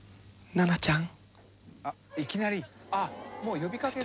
「奈々ちゃん？」